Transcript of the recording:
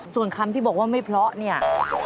ส่วนคำที่บอกว่าไม่เพราะเนี่ย